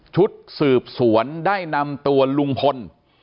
ชุดสืบสวนได้นำตัวลุงพล